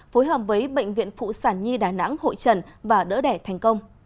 phối hợp với bệnh viện phụ sản nhi đà nẵng hội trần và đỡ đẻ thành công